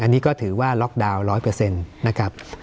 อันนี้ก็ถือว่าล็อกดาวน์๑๐๐นะครับ